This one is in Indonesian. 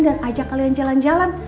dan ajak kalian jalan jalan